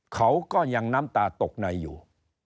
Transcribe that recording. เขาก็ยังน้ำตาตกในอยู่